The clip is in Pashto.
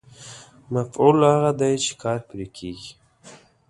مفعول هغه دی چې کار پرې کېږي.